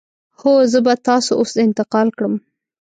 هو، زه به تاسو اوس انتقال کړم.